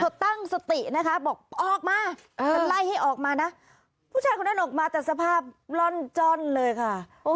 ตั้งสตินะคะบอกออกมาเธอไล่ให้ออกมานะผู้ชายคนนั้นออกมาแต่สภาพร่อนจ้อนเลยค่ะ